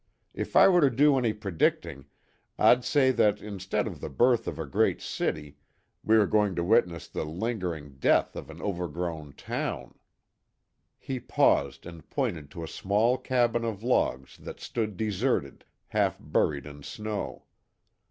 If I were to do any predicting, I'd say that instead of the birth of a great city, we are going to witness the lingering death of an overgrown town." He paused and pointed to a small cabin of logs that stood deserted, half buried in snow.